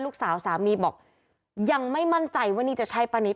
ลูกสาวสามีบอกยังไม่มั่นใจวันนี้จะใช้ป้านิต